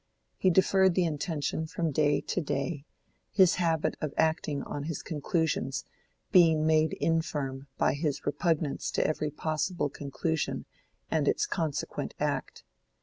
He deferred the intention from day to day, his habit of acting on his conclusions being made infirm by his repugnance to every possible conclusion and its consequent act.